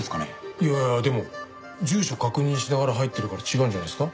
いやいやでも住所確認しながら入ってるから違うんじゃないですか？